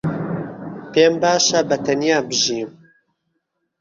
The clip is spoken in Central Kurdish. پێم باشە بەتەنیا بژیم.